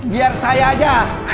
biar saya aja